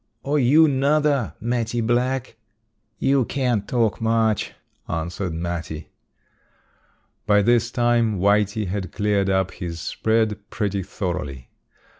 "Or you nuther, Mattie Black." "You can't talk much," answered Mattie. By this time Whitey had cleared up his spread pretty thoroughly.